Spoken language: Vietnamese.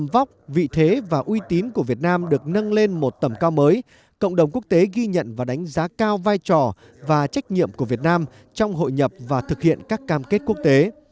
với cộng đồng quốc tế ghi nhận và đánh giá cao vai trò và trách nhiệm của việt nam trong hội nhập và thực hiện các cam kết quốc tế